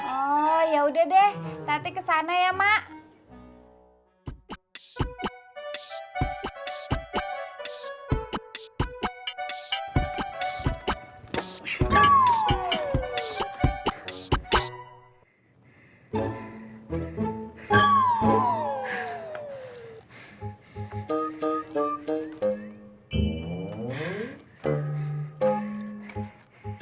oh ya udah deh nanti kesana ya mak